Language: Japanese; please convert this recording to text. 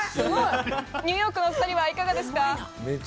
ニューヨークのお二人、いかがですか？